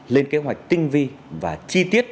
lên kế hoạch tinh vi và chi tiết